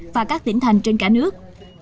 và các tỉnh thành trên cả nước